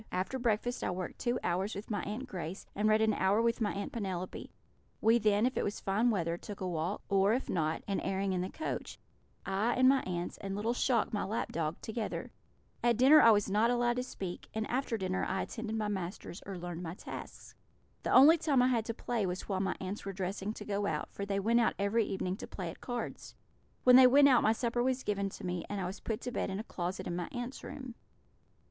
After breakfast I worked two hours with my Aunt Grace, and read an hour with my Aunt Penelope; we then, if it was fine weather, took a walk, or, if not, an airing in the coach I, and my aunts, and little Shock, the lap dog, together. At dinner I was not allowed to speak, and after dinner I attended my masters, or learned my tasks. The only time I had to play was while my aunts were dressing to go out, for they went out every evening to play at cards. When they went out my supper was given to me, and I was put to bed in a closet in my aunts' room.